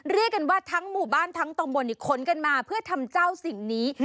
เรียกกันว่าทั้งหมู่บ้านทั้งตำบลขนกันมาเพื่อทำเจ้าสิ่งนี้